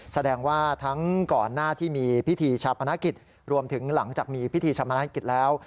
แสดงว่าทั้งก่อนหน้าที่มีพิธีชาปนกิจรวมถึงหลังจากมีพิธีชามนากิจแล้ว